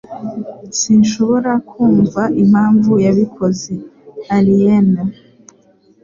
Sinshobora kumva impamvu yabikoze. (aliene)